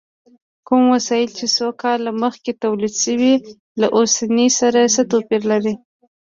کوم وسایل چې څو کاله مخکې تولید شوي، له اوسنیو سره څه توپیر لري؟